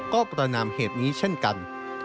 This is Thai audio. ก็ประนามเหตุนี้เช่นกัน